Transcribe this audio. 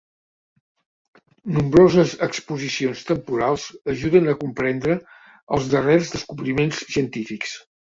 Nombroses exposicions temporals ajuden a comprendre els darrers descobriments científics.